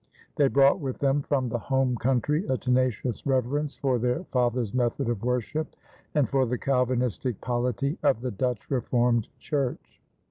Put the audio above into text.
They brought with them from the home country a tenacious reverence for their fathers' method of worship and for the Calvinistic polity of the Dutch Reformed Church.